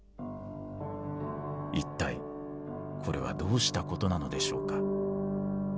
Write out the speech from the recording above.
いったいこれはどうしたことなのでしょうか。